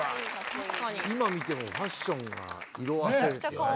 今見てもファッションが色あせてない。